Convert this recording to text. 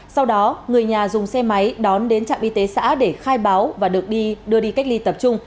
sau đó người nhà dùng xe máy đón đến trạm y tế xã để khai báo và được đưa đi cách ly tập trung